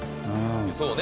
そうね